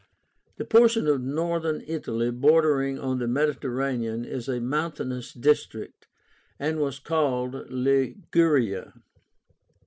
The portion of Northern Italy bordering on the Mediterranean is a mountainous district, and was called LIGURIA.